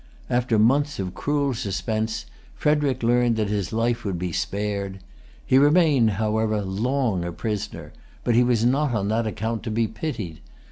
After months of cruel suspense, Frederic learned that his life would be spared. He remained, however, long a prisoner; but he was not on that account to be pitied.